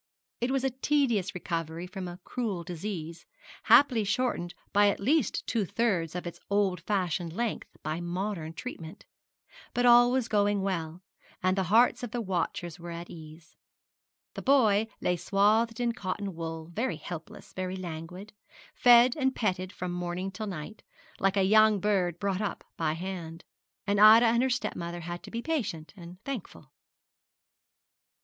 It was a tedious recovery from a cruel disease, happily shortened by at least two thirds of its old fashioned length by modern treatment; but all was going well, and the hearts of the watchers were at ease. The boy lay swathed in cotton wool, very helpless, very languid, fed and petted from morning till night, like a young bird brought up by hand: and Ida and her stepmother had to be patient and thankful.